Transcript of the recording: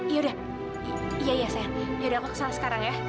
yaudah iya iya sayang yaudah aku kesana sekarang ya